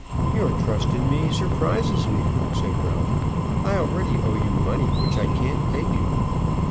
"Your trust in me surprises me," said Ralph. "I already owe you money which I can't pay you."